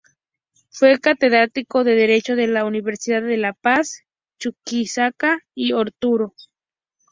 Fue catedrático de Derecho de las universidades de La Paz, Chuquisaca y Oruro.